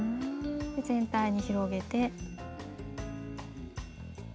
全体に広げて。